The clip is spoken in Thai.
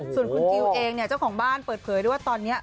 ส่วนคุณกิวเองเนี่ยเจ้าของบ้านเปิดเผยด้วยว่าตอนนี้